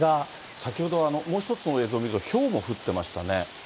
先ほどはもう一つの映像を見ると、ひょうも降ってましたね。